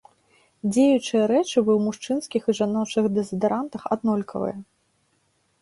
Дзеючыя рэчывы ў мужчынскіх і жаночых дэзадарантах аднолькавыя.